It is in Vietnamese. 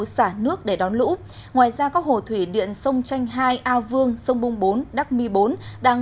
xả nước để đón lũ ngoài ra các hồ thủy điện sông chanh hai a vương sông bung bốn đắc mi bốn đang